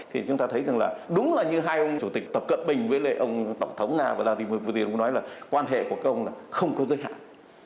thì chúng ta thấy rằng là đúng là như hai ông chủ tịch tập cận bình với ông tổng thống nga và đà lạt vĩnh vương vương nói là quan hệ của các ông là không có giới hạn